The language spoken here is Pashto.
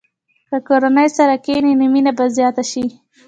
که کورنۍ سره کښېني، نو مینه به زیاته شي.